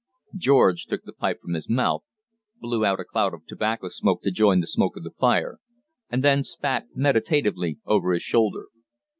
George took the pipe from his mouth, blew out a cloud of tobacco smoke to join the smoke of the fire, and spat meditatively over his shoulder.